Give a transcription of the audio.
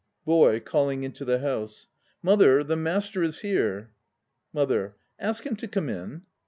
BOY (calling into the house). Mother, the Master is here. MOTHER. Ask him to come in.